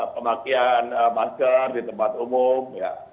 pemakaian masker di tempat umum